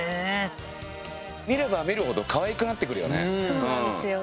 見れば見るほどかわいくなってくるよね。